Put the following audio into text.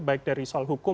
baik dari soal hukum